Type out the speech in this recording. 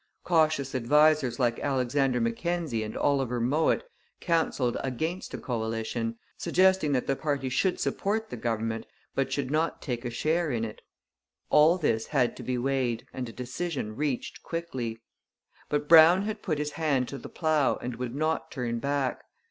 Cautious advisers like Alexander Mackenzie and Oliver Mowat counselled against a coalition, suggesting that the party should support the government, but should not take a share in it. All this had to be weighed and a decision reached quickly. But Brown had put his hand to the plough and would not turn back.